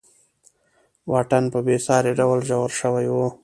واټن په بېساري ډول ژور شوی و.